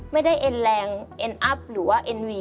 เอ็นแรงเอ็นอัพหรือว่าเอ็นวี